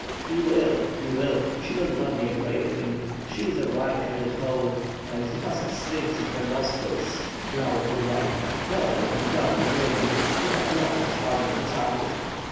"He will, he will; she will not be afraid of him. She is a white handed Pole! And the Cossack stinks in her nos trils!" growled Burlay. "Go, and God be with you; you have not much farther to travel."